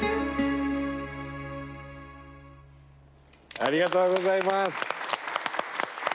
ありがとうございます。